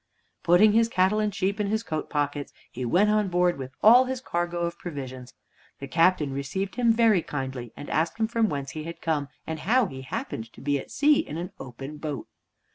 Putting his cattle and sheep in his coat pockets, he went on board with all his cargo of provisions. The captain received him very kindly, and asked him from whence he had come, and how he happened to be at sea in an open boat.